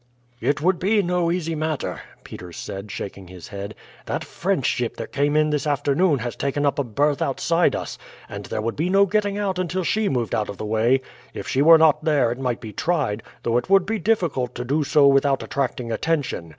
"It would be no easy matter," Peters said, shaking his head. "That French ship that came in this afternoon has taken up a berth outside us, and there would be no getting out until she moved out of the way. If she were not there it might be tried, though it would be difficult to do so without attracting attention.